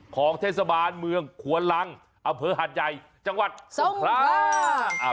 ของเทศบาลเมืองขวนลังอเภอหาดใยจังหวัดทรงขลา